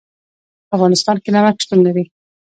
په افغانستان کې نمک شتون لري.